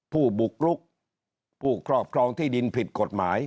ผู้บุกรุกผู้ครอบครองที่ดินผิดกฎหมาย